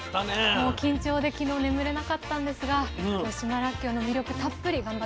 もう緊張で昨日眠れなかったんですが今日島らっきょうの魅力たっぷり頑張ってお伝えします。